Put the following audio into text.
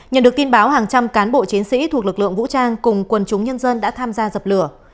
nhận được tin báo hàng trăm cán bộ chiến sĩ thuộc lực lượng vũ trang cùng quần chúng nhân dân đã tham gia dập lửa